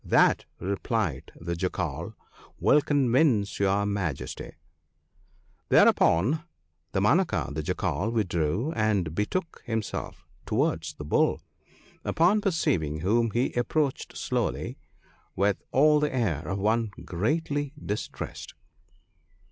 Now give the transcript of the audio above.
That,' replied the Jackal, 'will convince your Majesty.' "Thereupon Damanaka the Jackal withdrew, and betook himself towards the Bull, upon perceiving whom he approached slowly, with all the air of one greatly distressed.